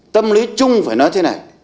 tâm lý chung phải nói thế này